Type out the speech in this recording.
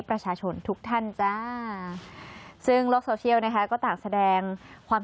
ประชาชนทุกท่านจ้าซึ่งโลกโซเชียลนะคะก็ต่างแสดงความ